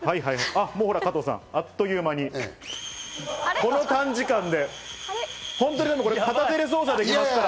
ほら加藤さん、あっという間に短時間で、片手で操作できますから。